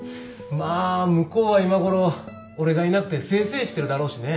まあ向こうは今頃俺がいなくて清々してるだろうしね。